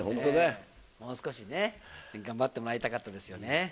もう少しね、頑張ってもらいたかったよね。